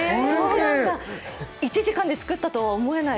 １時間で作ったとは思えない？